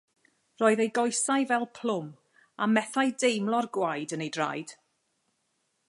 Roedd ei goesau fel plwm a methai deimlo'r gwaed yn ei draed.